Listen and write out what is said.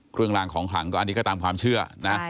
กลางของขลังก็อันนี้ก็ตามความเชื่อนะ